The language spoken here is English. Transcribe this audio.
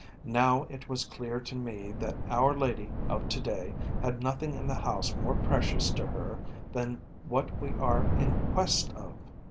Now it was clear to me that our lady of to day had nothing in the house more precious to her than what we are in quest of.